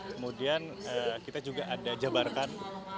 kemudian kita juga ada jabarkan